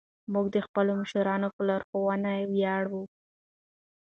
موږ د خپلو مشرانو په لارښوونه ویاړو.